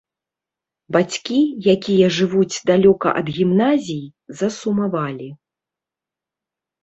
Бацькі, якія жывуць далёка ад гімназій, засумавалі.